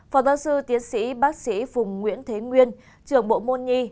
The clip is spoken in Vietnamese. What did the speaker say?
phòng giáo sư tiến sĩ bác sĩ phùng nguyễn thế nguyên trường bộ môn nhi